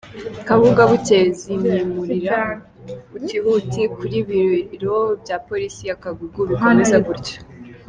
Kabuga, bukeye zimwimuira huti huti kuri biro bya polisi ya Kagugu, bikomeza gutyo